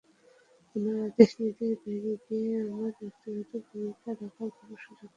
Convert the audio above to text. ওনার আদেশ-নির্দেশের বাইরে গিয়ে আমার ব্যক্তিগত ভূমিকা রাখার কোনো সুযোগ নাই।